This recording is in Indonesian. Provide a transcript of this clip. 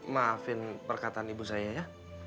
maafin perkataan ibu saya ya